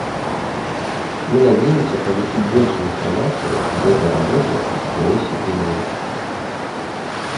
Мы надеемся получить больше информации об этой работе в предстоящий период.